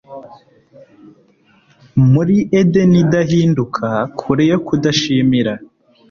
Muri Edeni idahinduka kure yo kudashimira